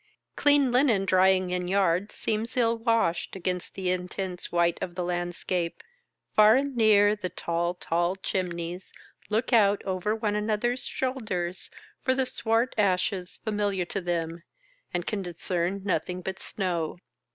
Clean linen drying in yards seems ill washed, against the intense white of the landscape. Far and near, the tall tall chimneys look out over one another's shoulders for the swart ashes familiar to them, and can discern nothing but snow.